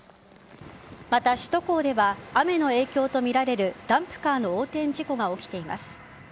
また、首都高では雨の影響とみられるダンプカーの横転事故が起きています。